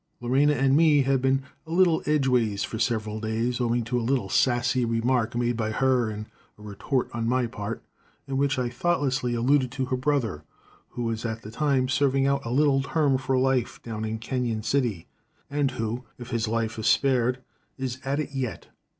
] "Lorena and me had been a little edgeways for several days, owing to a little sassy remark made by her and a retort on my part in which I thoughtlessly alluded to her brother, who was at that time serving out a little term for life down at Canyon City, and who, if his life is spared, is at it yet.